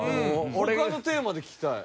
他のテーマで聞きたい。